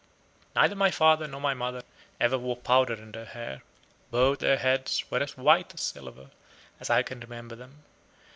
Neither my father nor my mother ever wore powder in their hair; both their heads were as white as silver, as I can remember them.